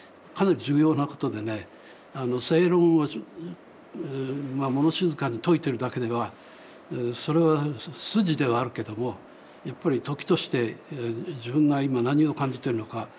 かなり重要なことでね正論を物静かに説いてるだけではそれは筋ではあるけどもやっぱり時として自分が今何を感じてるのか